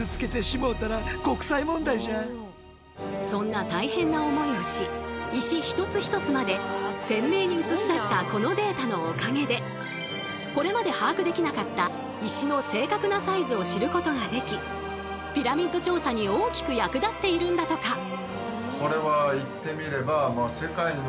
そんな大変な思いをし石一つ一つまで鮮明に映し出したこのデータのおかげでこれまで把握できなかった石の正確なサイズを知ることができピラミッド調査に大きく役立っているんだとか。